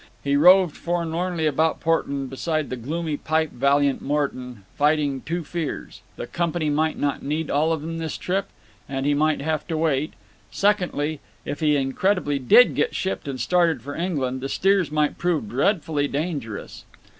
He roved forlornly about Portland, beside the gloomy pipe valiant Morton, fighting two fears: the company might not need all of them this trip, and he might have to wait; secondly, if he incredibly did get shipped and started for England the steers might prove dreadfully dangerous.